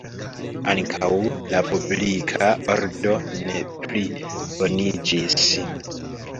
Ankaŭ la publika ordo ne pliboniĝis.